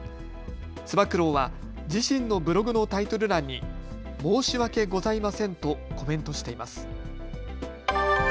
つば九郎は自身のブログのタイトル欄にもうしわけございませんとコメントしています。